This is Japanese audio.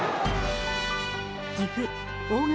岐阜・大垣